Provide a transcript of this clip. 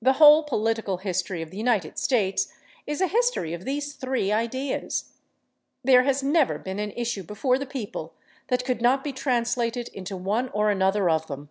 The whole political history of the United States is a history of these three ideas. There has never been an issue before the people that could not be translated into one or another of them.